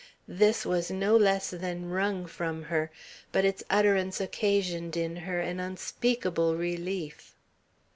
This was no less than wrung from her, but its utterance occasioned in her an unspeakable relief.